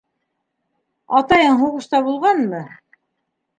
Атайың һуғышта булғанмы?